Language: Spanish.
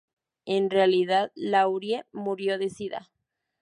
En realidad, Laurie murió de sida.